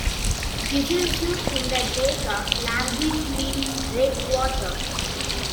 "Kizilsu" in the Kyrgyz language means "red water".